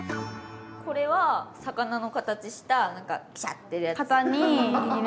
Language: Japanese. これは魚の形したなんかシャッて。